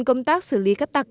công tác xử lý cát tặc